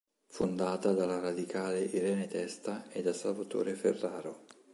Fondata dalla Radicale Irene Testa e da Salvatore Ferraro.